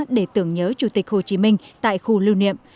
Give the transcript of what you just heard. để tưởng nhớ chủ tịch hồ chí minh tại khu lưu niệm